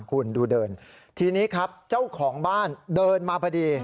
คุณดูเดินทีนี้ครับเจ้าของบ้านเดินมาพอดี